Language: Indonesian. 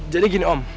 jadi gini om